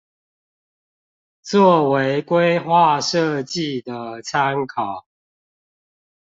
作為規劃設計的參考